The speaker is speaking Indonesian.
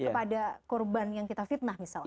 kepada korban yang kita fitnah misalnya